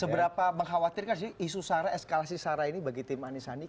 seberapa mengkhawatirkan sih isu eskalasi sarah ini bagi tim anisanik